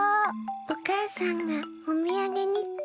おかあさんがおみやげにって。